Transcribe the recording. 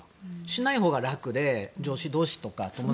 しないほうが楽で、友達同士女子同士とか。